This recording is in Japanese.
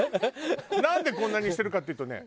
なんでこんなにしてるかっていうとね。